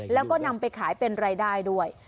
แล้วก็นำไปขายเป็นรายได้ด้วย